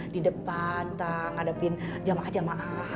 di depan ngadepin jamaah jamaah